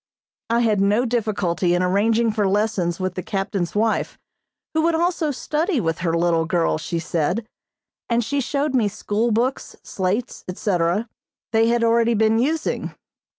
I had no difficulty in arranging for lessons with the captain's wife, who would also study with her little girl, she said, and she showed me school books, slates, etc., they had already been using.